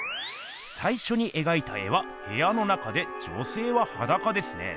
さいしょにえがいた絵はへやの中で女せいははだかですね。